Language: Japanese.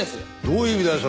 どういう意味だよ？